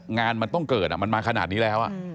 งานมันต้องเกิดมันมาขนาดนี้แล้ว